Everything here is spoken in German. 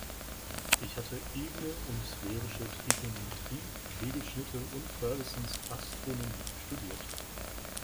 Ich hatte ebene und sphärische Trigonometrie, Kegelschnitte und Fergussons "Astronomie" studiert.